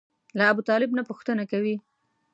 له ابوطالب نه پوښتنه کوي.